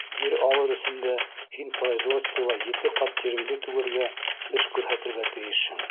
Ер алыр өсөн дә һин производствола ете ҡат тиреңде түгергә, эш күрһәтергә тейешһең.